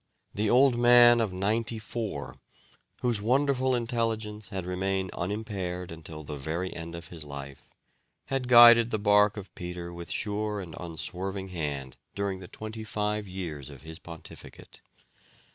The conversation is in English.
The old man of ninety four, whose wonderful intelligence had remained unimpaired until the very end of his life, had guided the bark of Peter with sure and unswerving hand during the twenty live years of his pontificate.